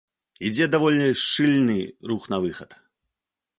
Ідзе даволі шчыльны рух на выхад.